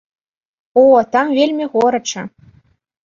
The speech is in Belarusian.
О, там вельмі горача!